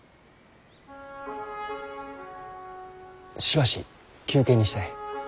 しばし休憩にしたい。